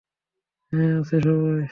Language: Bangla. হ্যাঁ, আছে সবাই।